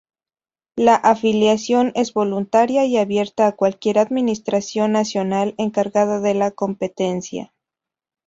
La afiliación es voluntaria y abierta a cualquier administración nacional encargada de la competencia.